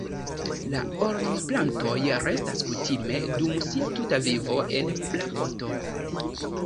La ornamplantoj restas kutime dum sia tuta vivo en la poto.